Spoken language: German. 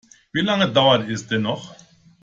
Wie lange dauert es denn noch?